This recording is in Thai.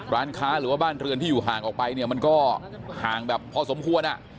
ร้านค้าหรือว่าบ้านเรือนที่อยู่ห่างออกไปเนี่ยมันก็ห่างแบบพอสมควร